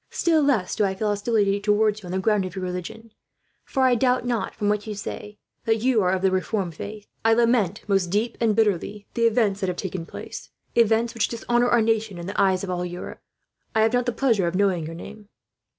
Still less do I feel hostility towards you on the ground of your religion; for I doubt not, from what you say, that you are of the Reformed faith. I lament, most deeply and bitterly, the events that have taken place events which dishonour our nation in the eyes of all Europe. I have not the pleasure of knowing your name."